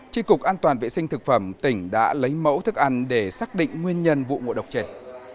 tri cục an toàn vệ sinh thực phẩm tỉnh đã lấy mẫu thức ăn để xác định nguyên nhân vụ ngộ độc trệt